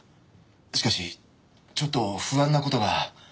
しかしちょっと不安な事が。